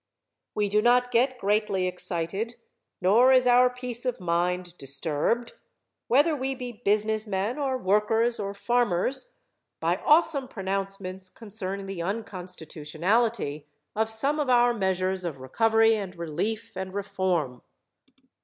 We do not get greatly excited nor is our peace of mind disturbed, whether we be businessmen or workers or farmers, by awesome pronouncements concerning the unconstitutionality of some of our measures of recovery and relief and reform.